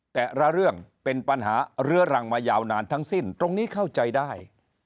แต่ละเรื่องเป็นปัญหาเรื้อรังมายาวนานทั้งสิ้นตรงนี้เข้าใจได้